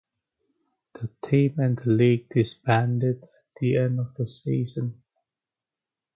The team and the league disbanded at the end of the season.